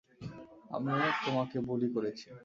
আমিও তোমাকে বুলি করেছি।